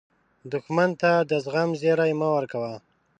دښمن ته د زغم زیری مه ورکوه